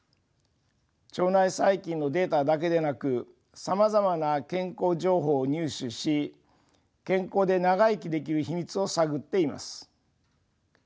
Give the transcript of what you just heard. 腸内細菌のデータだけでなくさまざまな健康情報を入手し健康で長生きできる秘密を探っています。